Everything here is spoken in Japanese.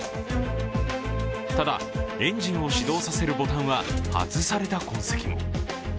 ただエンジンを始動させるボタンは外された痕跡も。